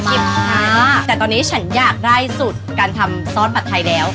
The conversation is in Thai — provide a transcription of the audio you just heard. แต่ตอนนี้ฉันอยากได้สูตรการทำซอสผัดไทยแล้ว